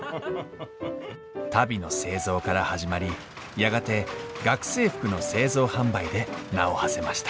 足袋の製造から始まりやがて学生服の製造販売で名をはせました。